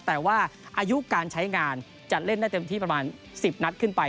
แต่ว่าอายุการใช้งานจะเล่นได้เต็มที่ประมาณ๑๐นัดขึ้นไป